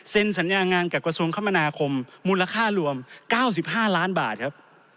สัญญางานกับกระทรวงคมนาคมมูลค่ารวม๙๕ล้านบาทครับ